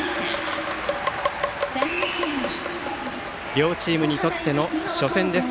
両チームにとっての初戦です。